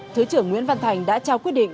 thứ trưởng nguyễn văn thành đã trao quyết định